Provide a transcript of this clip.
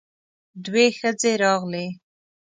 دوې ښځې راغلې.